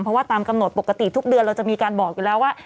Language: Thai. เพราะว่าตามกำหนดปกติทุกเดือนเราจะมีการบอกอยู่แล้วว่า